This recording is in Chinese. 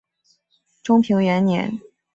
中平元年。